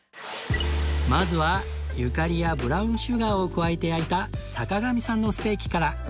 まずはゆかりやブラウンシュガーを加えて焼いた坂上さんのステーキから